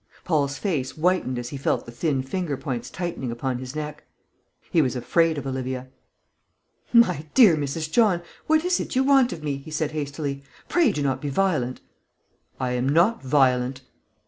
Paul's face whitened as he felt the thin finger points tightening upon his neck. He was afraid of Olivia. "My dear Mrs. John, what is it you want of me?" he said hastily. "Pray do not be violent." "I am not violent."